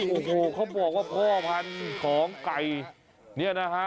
โอ้โหเขาบอกว่าพ่อพันธุ์ของไก่เนี่ยนะฮะ